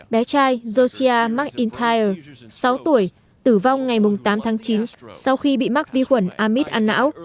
bé trai josiah mcintyre sáu tuổi tử vong ngày tám tháng chín sau khi bị mắc vi khuẩn amib an não